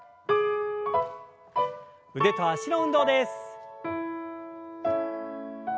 腕と脚の運動です。